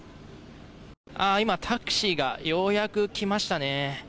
今、タクシーがようやく来ましたね。